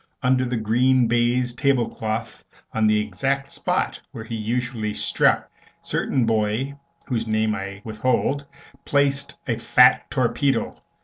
Under the green baize table cloth, on the exact spot where he usually struck, certain boy, whose name I withhold, placed a fat torpedo.